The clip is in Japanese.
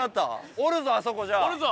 おるぞ！